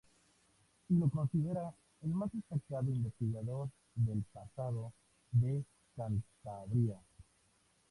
Y lo considera el más destacado investigador del pasado de Cantabria.